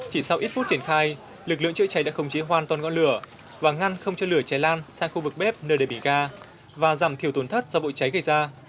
chỉ sau ít phút triển khai lực lượng chữa cháy đã khống chế hoàn toàn ngọn lửa và ngăn không cho lửa cháy lan sang khu vực bếp nơi đề bỉ ga và giảm thiểu tổn thất do bộ cháy gây ra